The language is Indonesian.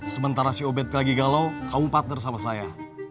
sementara si ubed lagi galau kamu partner sama saya